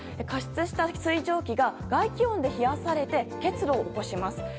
加湿した水蒸気が外気温で冷やされて結露を起こします。